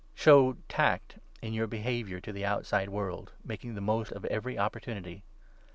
Show tact in your behaviour to the outside world, 5 making the most of every opportunity.